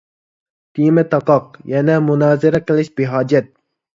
تېما تاقاق، يەنە مۇنازىرە قىلىش بىھاجەت.